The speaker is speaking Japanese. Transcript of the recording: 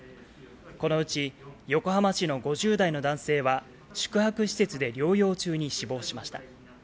このうち横浜市の５０代の男性は、宿泊施設で療養中に死亡しました。